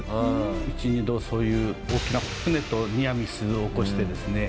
一二度そういう大きな船とニアミスを起こしてですね